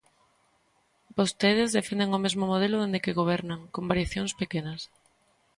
Vostedes defenden o mesmo modelo dende que gobernan, con variacións pequenas.